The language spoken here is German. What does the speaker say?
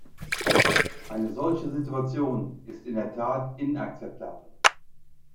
Eine solche Situation ist in der Tat inakzeptabel.